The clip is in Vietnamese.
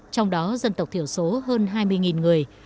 trong đó dân tộc thiểu số hơn hai mươi người